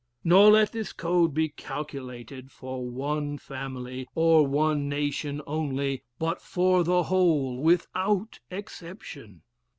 Nor let this code be calculated for one family, or one nation only, but for the whole with out exception.